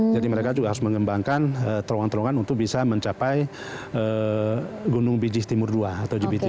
jadi mereka juga harus mengembangkan terowong terowongan untuk bisa mencapai gunung bijih timur ii atau gbt ii